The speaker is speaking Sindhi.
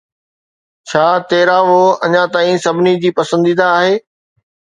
ڇا تيرا وو اڃا تائين سڀني جي پسنديده آهي؟